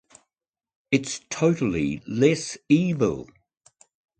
It’s totally less evil.